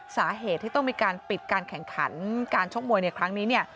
สาเหตุที่ต้องมีการปิดการแข่งขันการชกมวยในครั้งนี้เนี่ย